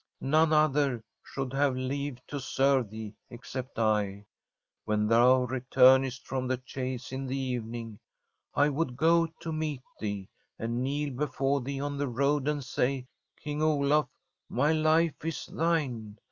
None other should have leave to serve thee, ex cept I. When thou returnest from the chase in the evening, I would go to meet thee, and kneel before thee on the road and say :*' King Olaf, my life is thine.